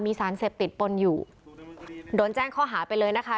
มีสารเสพติดปนอยู่โดนแจ้งข้อหาไปเลยนะคะ